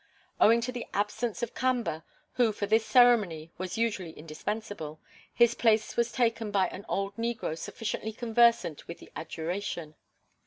Owing to the absence of Kamba, who for this ceremony was usually indispensable, his place was taken by an old negro sufficiently conversant with the adjuration.